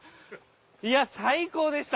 いや最高でした！